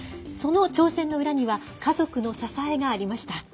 その挑戦の裏には家族の支えがありました。